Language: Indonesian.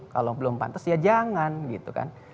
kalau belum pantas ya jangan gitu kan